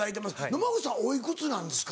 野間口さんお幾つなんですか？